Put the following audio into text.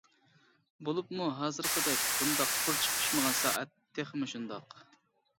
بولۇپمۇ ھازىرقىدەك بۇنداق پۇرچىقى پىشمىغان سائەت تېخىمۇ شۇنداق.